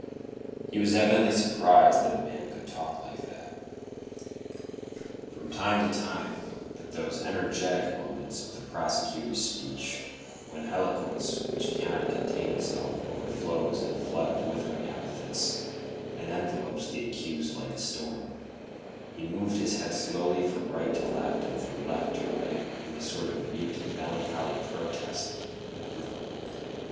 He was evidently surprised that a man could talk like that. From time to time, at those "energetic" moments of the prosecutor's speech, when eloquence which cannot contain itself overflows in a flood of withering epithets and envelops the accused like a storm, he moved his head slowly from right to left and from left to right in the sort of mute and melancholy protest with which he had contented himself since the beginning of the argument.